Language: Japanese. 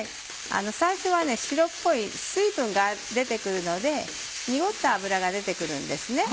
最初は白っぽい水分が出て来るので濁った脂が出て来るんですね。